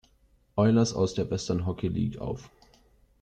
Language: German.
Oilers aus der Western Hockey League auf.